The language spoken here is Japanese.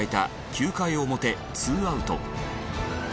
９回表ツーアウト。